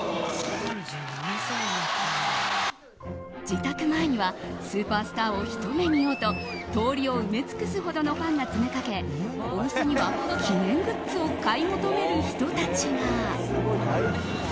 自宅前にはスーパースターをひと目見ようと通りを埋め尽くすほどのファンが詰めかけお店には、記念グッズを買い求める人たちが。